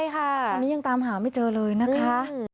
ตอนนี้ยังตามหาไม่เจอเลยนะคะ